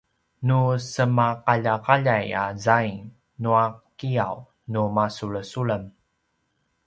nu semaqaljaqaljay a zaing nua kiyaw nu masulesulem